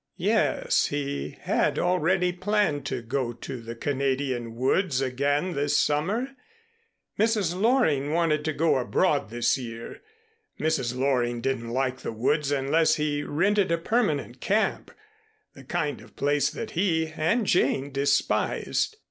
Yes, he had already planned to go to the Canadian woods again this summer. Mrs. Loring wanted to go abroad this year. Mrs. Loring didn't like the woods unless he rented a permanent camp, the kind of place that he and Jane despised.